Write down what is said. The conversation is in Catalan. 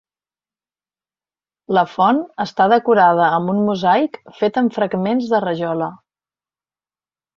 La font està decorada amb un mosaic fet amb fragments de rajola.